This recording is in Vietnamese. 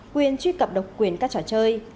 quyền truy cập độc quyền các trò chơi